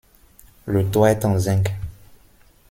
Le toit est en zinc.